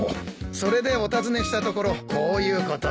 それでお訪ねしたところこういうことに。